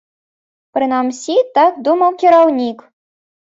Прынамсі, так думаў кіраўнік.